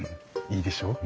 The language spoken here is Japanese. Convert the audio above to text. いいでしょう？